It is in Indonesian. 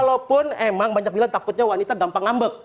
walaupun emang banyak bilang takutnya wanita gampang ngambek